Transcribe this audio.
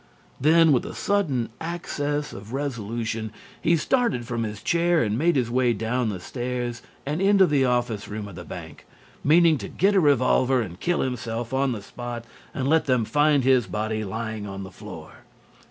Then with a sudden access of resolution he started from his chair and made his way down the stairs and into the office room of the bank, meaning to get a revolver and kill himself on the spot and let them find his body lying on the floor.